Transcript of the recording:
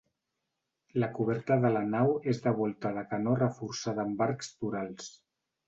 La coberta de la nau és de volta de canó reforçada amb arcs torals.